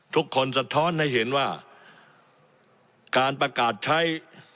สะท้อนให้เห็นว่าการประกาศใช้